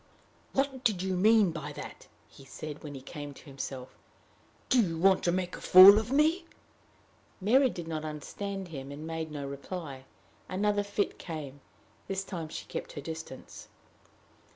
"What did you mean by that?" he said, when he came to himself. "Do you want to make a fool of me?" Mary did not understand him, and made no reply. Another fit came. This time she kept her distance.